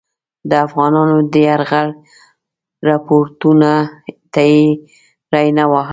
د افغانانو د یرغل رپوټونو ته یې ری نه واهه.